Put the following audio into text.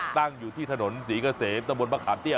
ตั้งอยู่ที่ถนนศรีเกษมตะบนมะขามเตี้ย